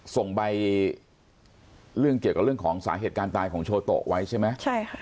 ส่งใบเรื่องเกี่ยวกับเรื่องของสาเหตุการณ์ตายของโชโตไว้ใช่ไหมใช่ค่ะ